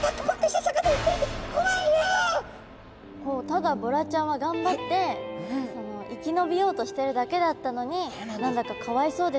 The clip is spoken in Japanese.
ただボラちゃんはがんばって生き延びようとしてるだけだったのに何だかかわいそうですよね